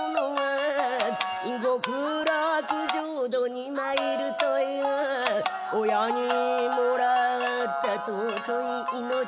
「極楽浄土に参ると云う」「親に貰った尊い命」